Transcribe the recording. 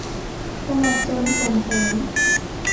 ตลอดจนส่งเสริม